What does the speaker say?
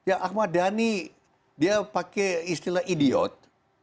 ya ahmad dhani dia pakai istilah idiot